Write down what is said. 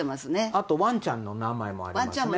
あと、ワンちゃんの名前もありますね。